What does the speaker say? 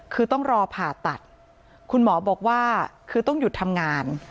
คือต้องรอผ่าตัดคุณหมอบอกว่าคือต้องหยุดทำงาน